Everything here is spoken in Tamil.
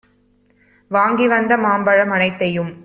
வாங்கி வந்த மாம்பழம் அனைத்தையும்